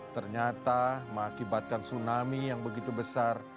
ternyata mengakibatkan tsunami yang begitu besar